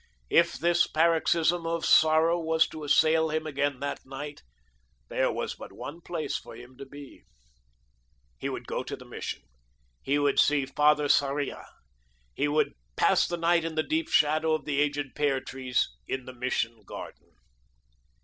If this paroxysm of sorrow was to assail him again that night, there was but one place for him to be. He would go to the Mission he would see Father Sarria; he would pass the night in the deep shadow of the aged pear trees in the Mission garden.